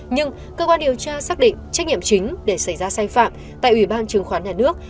nhưng cơ quan điều tra xác định trách nhiệm chính để xảy ra sai phạm tại ủy ban chứng khoán nhà nước